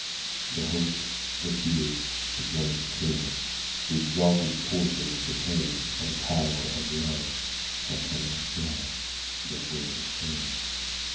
The hope, the fear, the jealous care, The exalted portion of the painAnd power of love, I cannot share, But wear the chain.